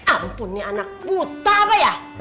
ampun nih anak buta apa ya